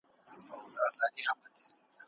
سياستپوهنه يو هر اړخيز او پېچلی نظام دی.